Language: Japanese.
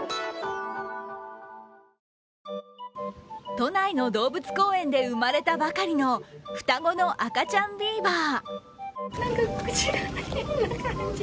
都内の動物公園で生まれたばかりの双子の赤ちゃんビーバー。